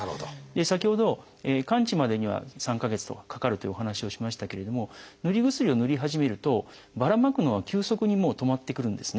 先ほど完治までには３か月とかかかるというお話をしましたけれどもぬり薬をぬり始めるとばらまくのは急速に止まってくるんですね。